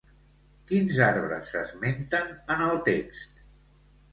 Quins arbres s'esmenten en el text?